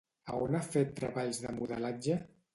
A on ha fet treballs de modelatge?